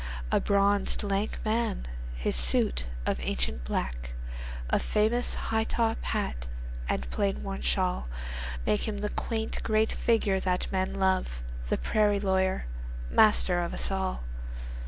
A bronzed, lank man! His suit of ancient black,A famous high top hat and plain worn shawlMake him the quaint great figure that men love, The prairie lawyer, master of us all.